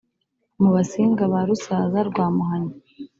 mu basinga ba rusaza rwa muhanyi,